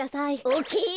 オーケー！